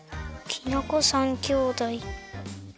きな粉３きょうだい。